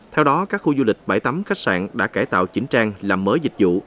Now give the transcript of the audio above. theo đó các khu du lịch bãi tắm khách sạn đã cải tạo chỉnh trang làm mới dịch vụ